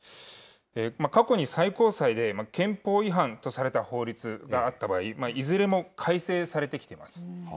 過去に最高裁で、憲法違反とされた法律があった場合、いずれも改正されてきています。